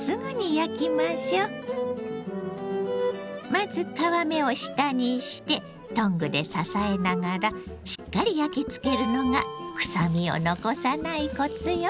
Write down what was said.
まず皮目を下にしてトングで支えながらしっかり焼きつけるのがくさみを残さないコツよ。